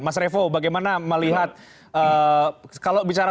mas revo bagaimana melihat kalau bicara